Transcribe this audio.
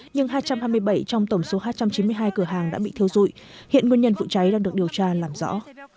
nhưng hai trăm hai mươi bảy trong tổng số hai trăm chín mươi hai cửa hàng đã bị thiêu dụi hiện nguyên nhân vụ cháy đang được điều tra làm rõ